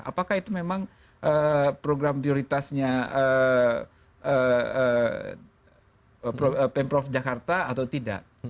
apakah itu memang program prioritasnya pemprov jakarta atau tidak